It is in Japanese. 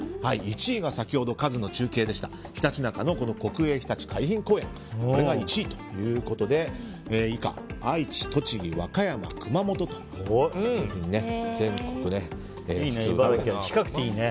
１位が先ほどカズの中継でしたひたちなかの国営ひたち海浜公園が１位ということで以下、愛知栃木、和歌山、熊本と近くていいね。